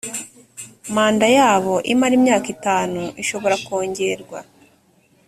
manda yabo imara imyaka itanu ishobora kongerwa